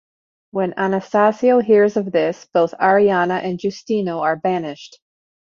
When Anastasio hears of this, both Arianna and Giustino are banished.